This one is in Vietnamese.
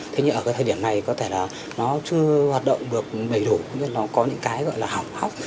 thế nhưng ở thời điểm này có thể là nó chưa hoạt động được đầy đủ nó có những cái gọi là hỏng hóc